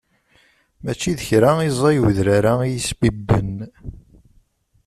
Mačči d kra i ẓẓay udrar-a iyi-sbibben.